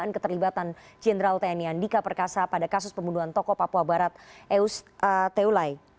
dan keterlibatan jenderal tni andika perkasa pada kasus pembunuhan toko papua barat eus theulai